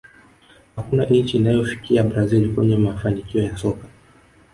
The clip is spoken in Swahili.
hakuna nchi inayofikia brazil kwenye mafanikio ya soka